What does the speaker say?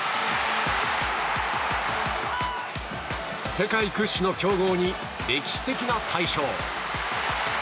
世界屈指の強豪に歴史的な大勝。